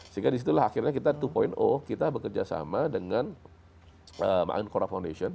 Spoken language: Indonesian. sehingga di situlah akhirnya kita dua kita bekerja sama dengan maangin korab foundation